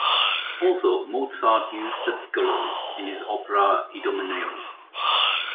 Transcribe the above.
Also, Mozart used the piccolo in his opera Idomeneo.